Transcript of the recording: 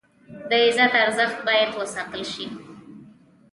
د عزت ارزښت باید وساتل شي.